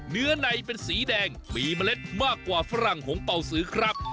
เนื้อในเป็นสีแดงมีเมล็ดมากกว่าฝรั่งหงเป่าสือครับ